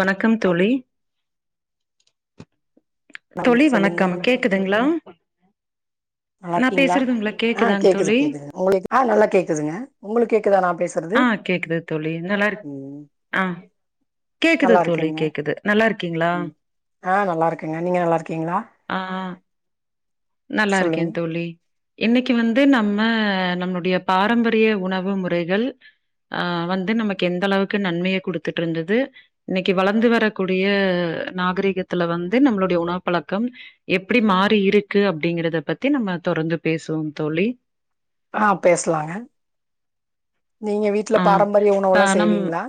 வணக்கம் ஹலோ தோழி தோழி வணக்கம் கேக்குதுங்ளா நல்லா நா பேசறது உங்களுக் கேக்குதாங் தோழி உங்களுக் ஆ நல்லா கேக்குதுங்க உங்களுக் கேக்குதா நா பேசு ஆ கேக்குது தோழி நல்லா இருக் ஆ கேக்குது நல்லா தோழி இருக்கேங்க கேக்குது நல்லாருக்கீங்ளா ம் ஆ நல்லா இருக்கேங்க நீங்க நல்லா இருக்கீங்களா ஆ நல்லா இருக்கே சொல்லுங்க தோழி இன்னைக்கு வந்து நம்ம நம்ளுடைய பாரம்பரிய உணவு முறைகள் அ வந்து நமக்கு எந்த அளவுக்கு நன்மைய குடுத்துட்ருந்து இன்னைக்கு வளந்து வரக்கூடிய நாகரீகத்துல வந்து நம்மளுடைய உணவ்ப்பழக்கம் எப்பிடி மாறி இருக்கு அப்டிங்கிறத பத்தி நம்ம தொடர்ந்து பேசுவோ தோழி ஆ பேசலாங்க நீங்க வீட்ல ஆ பாரம்பரிய இப்ப உணவுலா நம் செய்வீங்ளா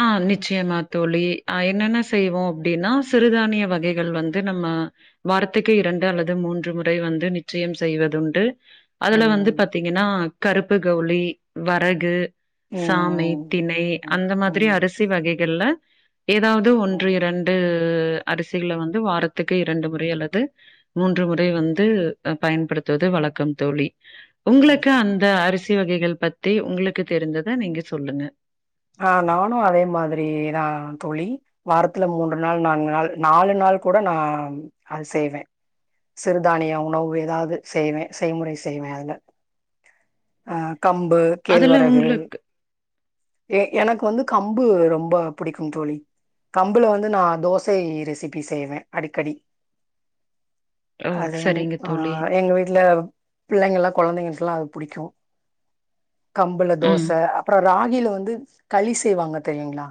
ஆ நிச்சயமா தோழி ஆ என்னென்ன செய்வோ அப்டின்னா சிறுதானிய வகைகள் வந்து நம்ம வாரத்துக்கு இரண்டு அல்லது மூன்று முறை வந்து நிச்சயம் செய்வதுண்டு அதுல வந்து ம் பாத்தீங்கன்னா கருப்பு கவுளி வரகு ம் சாமை திணை ம் அந்த மாதிரி ம் அரிசி வகைகள்ல ஏதாவது ஒன்று ம் இரண் டு அரிசிகள வந்து வாரத்துக்கு இரண்டு முறை அல்லது மூன்று முறை வந்து பயன்படுத்துவது வழக்கம் தோழி உங்களுக்கு ஓகே. அந்த அரிசி வகைகள் பத்தி உங்களுக்கு தெரிஞ்சத நீங்க சொல்லுங்க ஆ நானு அதே மாதிரிதா தோழி வாரத்துல மூன்று நாள் நான்கு நாள் நாலு நாள் கூட நா அது செய்வே சிறுதானிய உணவு ஏதாது செய்வே செய்முறை செய்வே அதுல ஆ கம்பு அதுல கேழ்வரகு உங்களுக்கு எ எனக்கு வந்து கம்பு ரொம்ப புடிக்கும் தோழி கம்புல வந்து நா தோசை ரெசிபி செய்வே அடிக்கடி ஓ அதுவு சரிங்க அ தோழி எங்க வீட்ல பிள்ளைங்கல்லா கொழந்தைங்களுக்ல்லா அது புடிக்கு கம்புல ம் தோச அப்பற ராகில வந்து களி செய்வாங்க தெரியுங்களா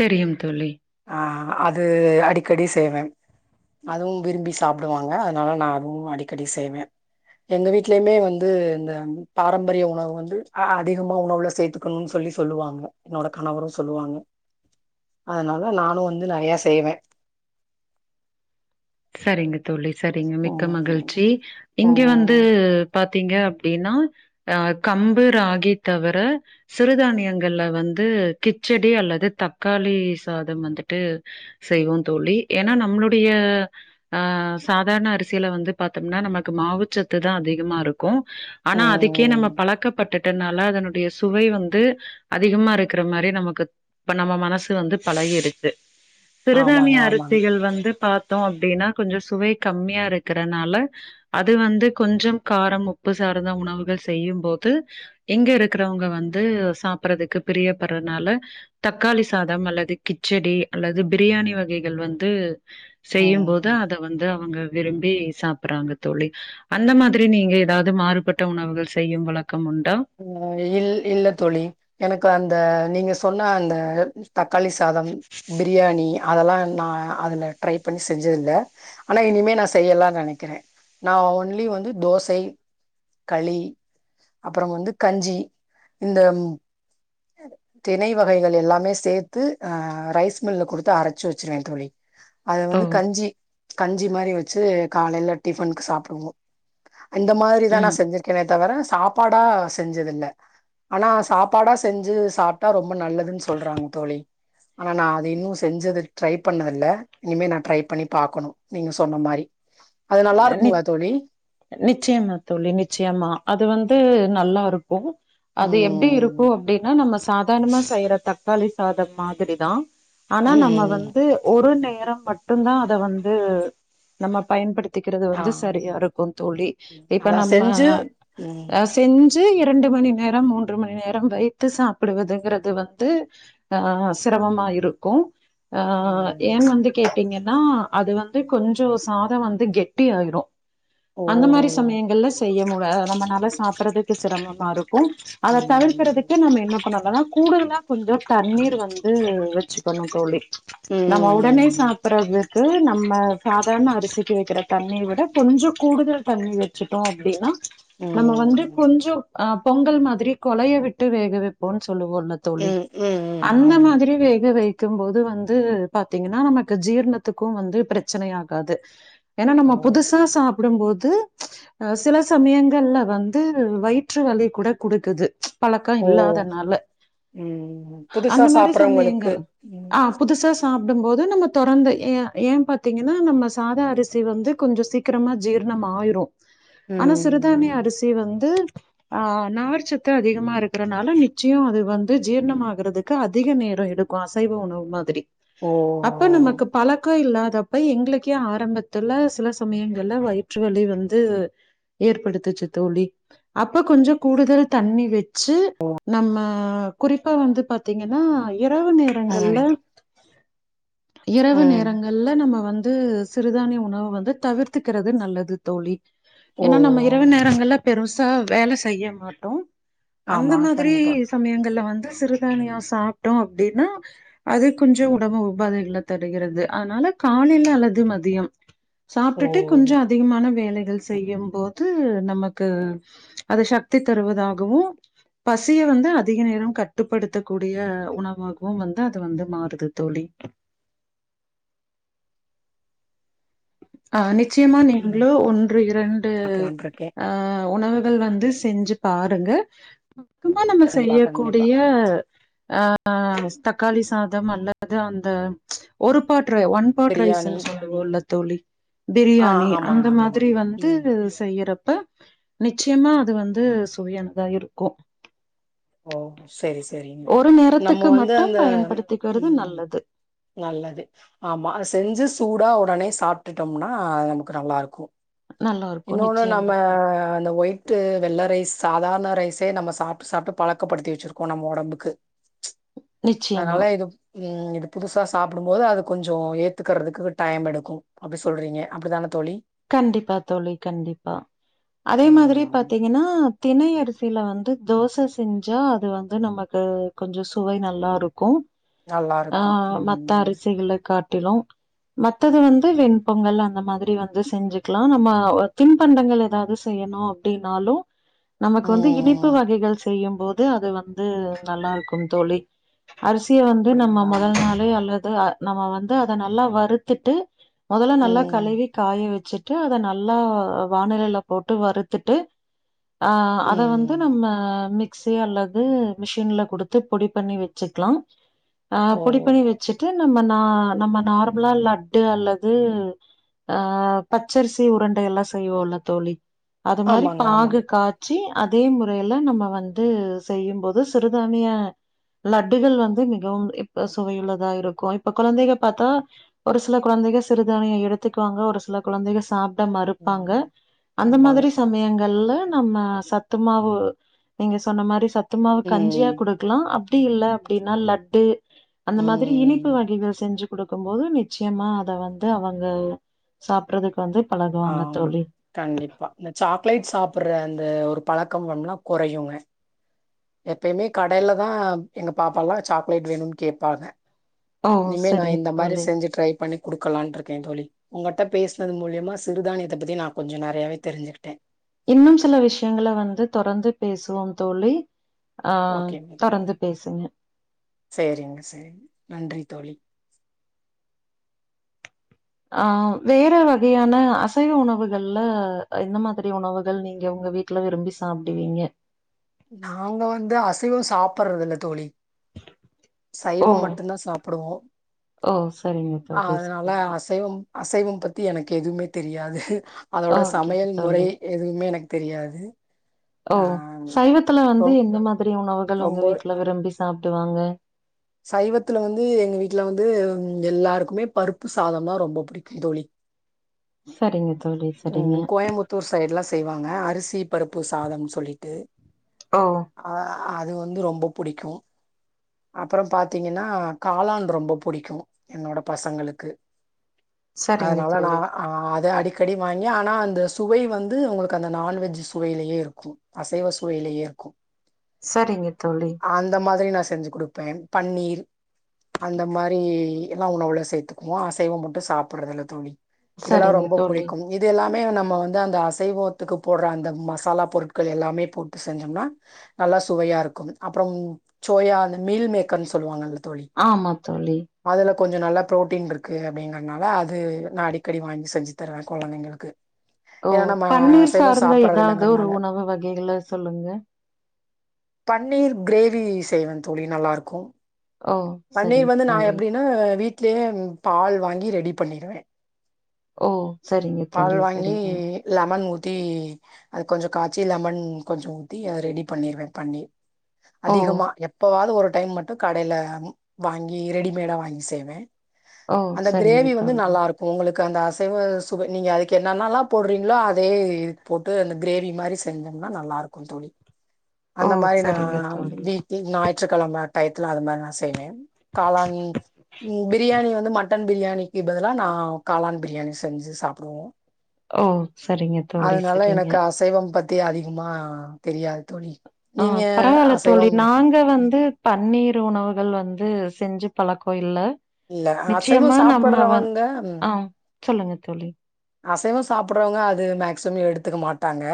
தெரியும் தோழி ஆ அது அடிக்கடி செய்வே அதுவும் விரும்பி சாப்டுவாங்க அதனால நா [inaudible] அடிக்கடி செய்வே எங்க வீட்லயுமே வந்து இந்த பாரம் பரிய உணவு வந்து அ அதிகமா உணவுல சேத்துக்கணுன் சொல்லி சொல்லுவாங்க என்னோட கணவரு சொல்லுவாங் அதனால நானு வந்து நறையா செய்வே சரிங்க தோழி சரிங்க மிக்க ம் மகிழ்ச்சி இங்க வந்து ம் பாத் தீங்க அப்டின்னா அ கம்பு ராகி தவர சிறுதானியங்கள்ல வந்து கிச்சடி அல்லது தக்காளி சாதம் வந்துட்டு செய்வோ தோழி ஏன்னா நம்மளுடைய ஆ சாதாரண அரிசியில வந்து பாத்தம்னா நமக்கு மாவுச்சத்துதா அதிகமா இருக்கு ஆனா அதுக்கே நம்ம ம் பழக்கப்பட்டுட் டனால அதனுடைய சுவை வந்து அதிகமா இருக்கிற மாரி நமக்கு இப்ப நம்ம மனசு வந்து பழகிருக்கு ஆமாங்க சிறுதானிய ஆமாங்க அருசிகள் வந்து பாத் தோம் அப்டின்னா கொஞ்ச சுவை கம்மியா இருக்கறனால அது வந்து கொஞ்சம் காரம் உப்பு சார்ந்த உணவுகள் செய்யும்போது எங்க இருக்கறவுங்க வந்து சாப்புறதுக்கு பிரியப்பட்றனால தக்காளி சாதம் அல்லது கிச்சடி அல்லது பிரியாணி வகைகள் வந்து செய்யு போது ம் அத வந்து அவங்க விரும்பி சாப்புறாங்க தோழி அந்த மாதிரி நீங்க ஏதாது மாறுபட்ட உணவுகள் செய்யு வழக்கம் உண்டா அ இல் இல்ல தோழி எனக்கு அந்த நீங்க சொன்ன அந்த தக்காளி சாதம் பிரியாணி அதெல்லா நா அதுல ட்ரை பண்ணி செஞ்சதுல்ல ஆனா இனிமே நா செய்யலா நனைக்கிறே நா ஒன்லி வந்து தோசை களி அப்றம் வந்து கஞ்சி இந்தம் தினை வகைகள் எல்லாமே சேத்து அ ரைஸ் மில்ல குடுத்து அரச்சு வச்சுருவே தோழி அது ஓ வந்து கஞ்சி கஞ்சி மாரி வச்சு காலைல டிஃபனுக்கு சாப்டுவோ இந்த மாரிதா நா ம் செஞ்சிருக்கேனே தவிர சாப் பாடா செஞ்சதில்ல ஆனா சாப்பாடா செஞ்சு சாப் டா ரொம்ப நல்லதுன் சொல்றாங்க தோழி ஆனா நா அது இன்னு செஞ்சது ட்ரை பண்ணதில்ல இனிமே நா ட்ரை பண்ணி பாக்கனு நீங்க சொன்ன மாரி அது நல்லா நிச் இருக்குங்ளா தோழி நிச்சயமா தோழி நிச்சயமா அது வந்து நல்லா இருக்கு அது எப்டி இருக் கு ம். அப்டினா நம்ம சாதார்ணமா செய்ற தக்காளி சாதம் மாதிரிதா ஆனா நம்ம ம். வந்து ஒரு நேரம் மட்டு தா அத வந்து நம்ம பயன்படுத் திக்றது ஆ. வந்து சரியா இருக்கு தோழி ம். இப்ப அதான் நம்ம செஞ்சு ம். அ செஞ்சு இரண்டு மணி நேரம் மூன்று மணி நேரம் வைத்து சாப்புடுவதுங்கிறது வந்து ஆ சிரமமா இருக்கு ஆ ஏன் வந்து ம். கேட்டீங்கன்னா அது வந்து கொஞ்சோ சாதோ வந்து கெட் டியாயிரு ஓ! அந்த மாரி சமயங்கள்ல செய்யமுடா நம்ம நல்லா சாப் றதுக்கு சிரமமா இருக்கு அத தவிர் க்கிறதுக்கு ம். நம்ம என்ன பண்ணலனா கூடுதலா கொஞ்சோ தண்ணீர் வந்து வச்சுக்கணு தோழி நம்ம உடனே ம். சாப்புறதுக்கு நம்ம சாதார்ண அரிசிக்கு வக்கிற தண்ணீய விட கொஞ்சோ கூடுதல் தண்ணிர் வச்சுட்டோ அப்டின்னா நம்ம வந்து ம். கொஞ்சோ ஆ பொங்கல் மாதிரி கொழைய விட்டு வேக வைப்போன் சொல்லுவோல்ல தோழி ம். ம். ம். அந்த ஆமாங்க. மாதிரி வேக வை க்குபோது வந்து பாத்தீங்கன்னா நமக்கு ஜீர்ணத்துக்கு வந்து பிரச்சனை ஆகாது ஏன்னா நம்ம ஓ! புதுசா சாப்டுபோது அ சில சமயங்கள்ல வந்து வயிற்று வலி கூட குடுக்குது பழக்கோ ஓ! இல்லாதத்னால ம் புதுசா அந்த மாரி சாப்பறவங்களுக்கு சமயங்கள் ஆ ம் புதுசா சாப்டு போது நம்ம தொறந்து ஏ ஏ பாத்தீங்கன்னா நம்ம சாத அரிச் சி வந்து கொஞ்சோ சீக்ரமா ஜீர்ணம் ஆயிரு ஆனா சிறுதானிய ம் அரிசி வந்து ஆ நார்ச்சத்து அதிகமா இருக்கறனால நிச்சயோ அது வந்து ஜீர்ணமாகறதுக்கு அதிக நேரோ எடுக் கு அசைவ உணவு மாதிரி ஓ அப்ப நமக்கு பழக்கோ இல்லாதப்ப எங்ளுக்கே ஆரம்பத் துல சில சமயங்கள்ல வயிற்று வலி வந்து ஏற்படுத்துச்சு தோழி அப்ப கொஞ்சோ கூடுதல் தண்ணி வச் சு நம்ம குறிப்பா வந்து பாத்தீங்கன்னா இரவு நேர ம் ங்கள்ள இரவு ம் நேரங்கள்ள நம்ப வந்து சிறுதானிய உணவு வந்து தவிர்த்துக்கிறது நல்லது தோழி ஓ ஏன்னா நம்ம இரவு நேரங்கள்ல பெருசா வேல செய்ய மாட்டோ அந்த ஆமா மாதிரி கண்டிப்பா சமயங்கள்ல வந்து சிறுதானியோ சாப்ட்டோ அப்டின்னா அது கொஞ்ச உடம்பு உபாதைகள்ள தருகிறது அதனால காலைல அல்லது மதியம் ஓ சாப்ட்டுடு கொஞ்ச அதிகமான வேலைகள் செய்யும் போது நமக்கு அது சக்தி தருவதாகவு பசிய வந்து அதிக நேரம் கட்டுப்படுத்த கூடிய உணவாகவு வந்து அது வந்து மாறுது தோழி ஆ நிச்சியமா ம் நீங்ளு ஒன்று இரண்டு பாக்கலான்ட்ருக்கே அ உணவுகள் வந்து செஞ்சு பாருங்க மொத்தமா நம்ம கண்டிப்பா கண்டிப்பா செய்யக்கூடிய அ ஆ தக்காளி சாதம் அல்லது அந்த ஒரு பாட்ரு ஒன் பாட் பிரியாணி ரைஸுன் சொ உள்ளத்தோழி ஆ பிரியாணி ஆமாங்க அந்த ஆமாங்க மாதிரி வந்து ம் செய்யறப்ப நிச்சியமா அது வந்து சுவையானதா இருக்கு ஓ செரி செரிங் ஒரு நம்ம நேரத்துக்கு வந்து மட்டும் அந்த பயன்படுத்திக்கிறது ம் நல்லது. நல்லது ஆமா அத செஞ்சு சூடா உடனே சாப்டுட்டோம்னா நமக்கு நல்லாருக்கு நல்லாருக்கும் இன்னொன்னு நம்ம நிச்சயமா. தோழி. அந்த ஒய் ட்டு வெள்ள ரைஸ் சாதாரண ரைஸே நம்ம சாப்டு சாப்டு பழக்கப்படுத்தி வெச்சிருக்கோ நம்ப உடம்புக்கு நிச்சயமா. அதனால இது ம் இது புதுசா சாப்புடும்போது அது கொஞ்சோ ஏத்துக்கற்துக்கு டைம் எடுக்கு அப்டி சொல்றீங்க அப்டிதான தோழி கண்டிப்பா தோழி கண்டிப்பா அதே மாதிரி பாத்தீங்கனா திணை அரிசியில வந்து தோச செஞ்சா அது வந்து நமக்கு கொஞ்ச சுவை நல்லாருக்கு ஆ நல்லாருக்கும். மத்த ம் அரிசிகள காட் டிலு மத்தது வந்து வெண்பொங்கல் அந்த மாதிரி வந் து செஞ்சுக்லா நம்ம தின்பண்டங்கள் ஏதாவது செய்யணு அப்டின்னாலு நமக்கு வந்து இனிப்பு ம் வகைகள் செய்யும் போது அது வந்து நல்லாருக்கும் தோழி அரிசிய வந்து நம்ம அப்டிங்களா? முதல் நாளே அல்லது நம்ம வந்து அத நல்லா வறுத்திட்டு முதல்ல நல்லா ம் கழுவி காய வெச்சுட்டு அத நல்லா வாணலியில போட்டு வறுத்திட்டு ஆ அத வந்து ம் நம்ம அ மிக்ஸி அல்லது மிஷின்ல குடுத்து பொடி பண்ணி வெச்சுக்லா அ ஓ! பொடிப்பண்ணி வெச்சுட்டு நம்ம நா நம்ம நார்ம்லா லட்டு அல்லது ஆ பச்சரிசி உருண்டையெல்லா செய்வோல தோழி அது மாரி ஆமாங்க ஆமாங்க. பாகு கா ய்ச்சி அதே முறையில நம்ம வந்து செய்யும்போது சிறுதானிய லட்டுகள் வந்து மிகவு இப்ப சுவையுள்ளதா இருக்கு இப்ப குழந்தைக பாத்தா ஒரு சில குழந்தைக சிறுதானிய எடுத் திக்வாங்க ஒரு சில குழந்தைகள் சாப்ட மறுப்பாங்க ம் அந்த ஆமாங்க. மாதிரி சமயங்கள்ல நம்ம சத்து மாவு நீங்க சொன்ன மாரி சத்து மாவு கஞ்சியா ம் குடுக் கிலா அப்டி இல்ல அப்டினா லட்டு அந்த மாதிரி இனிப்பு வகைகள் செஞ்சு குடுக்கும் போது நி ம். சியமா அத வந்து அவங்க சாப்றதுக் வந்து பல ஆ கண்டிப்பா இந்த சாக்லேட் சாப்புற அந்த ஒரு பழக்கம் வேம்னா குறையுங்க எப்பயுமே கடைல தா எங்க பாப்பால சாக்லேட் வேணுன் கேப்பாங்க ஓ! இனிமே நா சரிங்க இந்த மாரி தோழி. செஞ்சு ட்ரை பண்ணிக் குடுக்கலான்டிருக்கே தோழி உங்கட்ட பேசினது மூலியமா சிறுதானியத்த பத்தி நா கொஞ்ச நெறையவே தெரிஞ்சுக்கிட்டே இன்னும் சில விஷயங்கல வந்து தொடர்ந்து பேசுவோம் தோழி ஆ ஓகேங் தொடர்ந்து பேசுங்க. சேரிங்க செரிங் நன்றி தோழி அ வேற வகையான அசைவ உணவுகள்ல இந்த மாதிரி உணவுகள் நீங்க உங்க வீட் டுல விரும்பி சாப்டுவீங்க நாங்க வந்து அசைவ சாப்பறதுல்ல தோழி ஓ! சைவம் மட்டுந்தா சாப்புடுவோ ஓ! சரிங்க தோழி அதனால சரிங்க. அசைவம் அசைவம் பத்தி எனக்கு எதுமே தெரியாது அதோட ஓகே சமையல் முறை தோழி எதுவுமே எனக்கு தெரியாது ஓ ஆ சைவத்துல ரொ வந்து எந்த மாதிரி உணவுகள் உங்க ரொம்ப வீட்ல விரும்பி சாப்டுவாங்க சைவத்துல வந்து எங்க வீட்ல வந்து எல்லாருக்குமே பருப்பு சாதோனா ரொம்ப புடிக்கு தோழி சரிங்க தோழி சரிங்க த்தூர் சைடுல செய்வாங்க அரிசி பருப்பு சாதம்னு சொல்லிட்டு ஓ ஆ அது வந்து ரொம்ப புடிக்கு அப்புறோ பாத்தீங்கன்னா காளான் ரொம்ப புடிக்கு என்னோட பசங்களுக்கு சரிங்க அதனால நா தோழி ஆ அத அடிக் அடிக்கடி வாங்கி ஆனா அந்த சுவை வந்து உங்களுக்கு அந்த நான்வெஜ் சுவையிலேயே இருக்கு அசைவ சுவையிலேயே இருக்கு சரிங்க தோழி அந்த மாதிரி நா செஞ்சு குடுப்பேன் பன்னீர் அந்த மாரி எல்லா உணவுல சேத்துக்குவோ அசைவம் மட்டு சாப்ட்டுறதுல்ல தோழி இதெல்லா சரிங்க ரொம்ப தோழி புடிக்கும் இது எல்லாமே நம்ம வந்து அந்த அசைவத்துக்கு போடுற அந்த மசாலா பொருட்கள் எல்லாமே போட்டு செஞ்சோம்னா நல்லா சுவையா இருக்கும் அப்றோ சோயா அந்த மீல் மேக்கர்ன் சொல்லுவாங்கல்ல தோழி ஆமா தோழி அதுல கொஞ்சோ நல்லா ப்ரோட்டீன் இருக்கு அப்டிங்கறனால அது நா அடிக்கடி வாங்கி செஞ்சு இத்தன கொழந்தைங்களுக்கு ஓ ஏன்னா நம்ம பன்னீர் அசைவோ சார்ந்த சாப்புட்றது எதாது ஒரு இல்லங்கறனால உணவு வகைகள சொல்லுங்க பன்னீர் கிரேவி செய்வ தோழி நல்லாருக்கு ஓ பன்னீர் சரிங்க வந்து நா தோழி எப்டின்னா வீட்லேயே பால் வாங்கி ரெடி பண்ணிருவ ஓ சரிங்க தோழி சரிங்க லமன் ஊத்தி அது கொஞ்சோ காச்சி லெமன் கொஞ்சோ ஊத்தி அத ரெடி பண்ணிருவ பன்னீர் ஓ அதிகமா எப்பவாவது ஒரு டைம் மட்டு கடைல வாங்கி ரெடிமேடா வாங்கி செய்வ ஓ அந்த சரிங்க கிரேவி வந்து தோழி நல்லா இருக்கு உங்களுக்கு அந்த அசைவ இப்ப நீங்க அதுக்கு என்னென்னலா போடுறீங்களோ அதயே இது போட்டு அந்த கிரேவி மாரி செஞ்சோம்னா நல்லாருக் இருக்கு தோழி ஓ அந்த மாரி சரிங்க நான் தோழி வீ தி ஞாயிற்றுக்கிழம டையத்துல அது மாரி நா செய்வ காளான் பிரியாணி வந்து மட்டன் பிரியாணிக்கு பதிலா நா காளான் பிரியாணி செஞ்சு சாப்டுவோ ஓ சரிங்க தோழி அதனால சரிங்க எனக்கு அசைவம் பத் தி அதிகமா தெரியாது தோழி ஆ நீங்க பரவால்ல தோழி அசைவம் நாங்க ம், வந்து பன்னீர் உணவுகள் வந்து செஞ்சு பழக்கோ இல்ல இல்ல அசைவம் நிச்சயமா நம்ம வ சாப்பிடுறவங்க ம் ஆ சொல்லுங்க தோழி அசைவம் சாப்பிடுறவங்க அது மக்சிமம் எடுத்துக்க மாட்டாங்க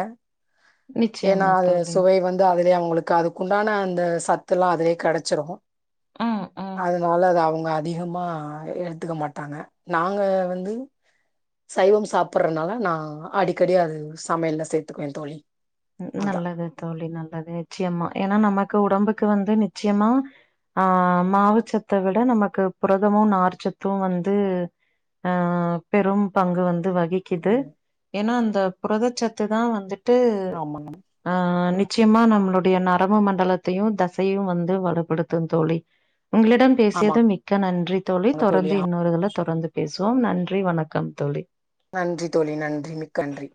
ஏன்னா நிச்சயமா அது தோழி. சுவை வந் தா அதுலயே அவங்களுக்கு அதுக்குண்டான அந்த சத்துல்லா அதுலயே கடச்சிரு ம், ம். அதனால அது அவங்க அதிகமாக எடுத்துக்க மாட்டாங்க நாங்க வந்து சைவம் சாப்பிடறனால நா அடிக்கடி அது சமையல்ல சேத்துக்குவ தோழி அதான். நல்லது தோழி நல்லது நிச்சயமா ஏனா நமக்கு உடம்புக்கு வந்து நிச்சயமா ஆ மாவுச்சத்த விட நமக்கு புரதமு நார்ச்சத்து வந்து அ பெரும் பங்க வந்து வகிக்குது ஆமா. ஏன்னா இந்த புரதச்சத்து தா வந்துட்டு [unintelligible] ஆ நிச்சயமா நம்மளுடைய நரம்பு மண்டலத்தையூ தசையூ வந்து வலுப்படுத்தோ தோழி உங்களிடம் பேசியது ஆமாங்க மிக்க நன்றி தோழி தொடர்ந்து இன்னொருதுல தொடர்ந்து பேசுவோ நன்றி வணக்கம் தோழி நன்றி தோழி நன்றி மிக்க நன்றி